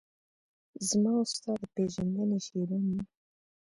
زما او ستا د پیژندنې شیبه مې